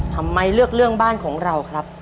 ทำไมเลือกเรื่องบ้านของเราครับ